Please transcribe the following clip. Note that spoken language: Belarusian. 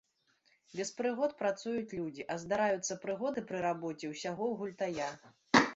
Без прыгод працуюць людзі, а здараюцца прыгоды пры рабоце ўсяго ў гультая.